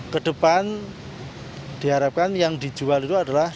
kedepan diharapkan yang dijual itu adalah